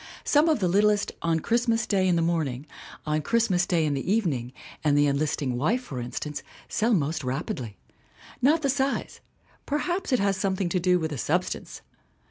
Some of the littlest On Christmas Day in the Morn ing, On Christmas Day in the Evening, and The En listing Wife, for instances sell most rapidly. Not the size ; perhaps it has something to do with the sub stance